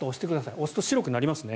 押すと白くなりますね。